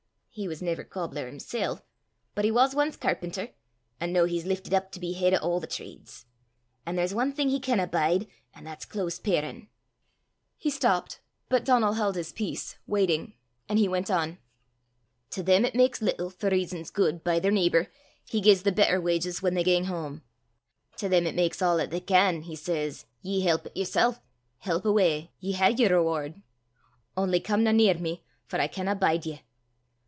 "He was never cobbler himsel', but he was ance carpenter; an' noo he's liftit up to be heid o' a' the trades. An' there's ae thing he canna bide, an' that's close parin'." He stopped. But Donal held his peace, waiting; and he went on. "To them 'at maks little, for rizzons guid, by their neebour, he gies the better wauges whan they gang hame. To them 'at maks a' 'at they can, he says, 'Ye helpit yersel'; help awa'; ye hae yer reward. Only comena near me, for I canna bide ye.